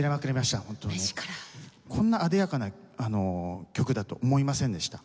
こんなあでやかな曲だと思いませんでした。